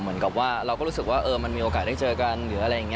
เหมือนกับว่าเราก็รู้สึกว่ามันมีโอกาสได้เจอกัน